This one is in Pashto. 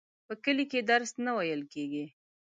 په کلي کي درس نه وویل کیږي.